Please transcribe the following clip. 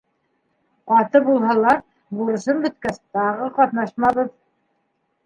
Ҡаты булһалар, бурысым бөткәс, тағы ҡатнашмабыҙ.